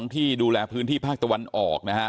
ที่ดูแลพื้นที่ภาคตะวันออก